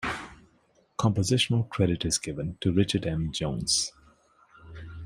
Compositional credit is given to Richard M. Jones.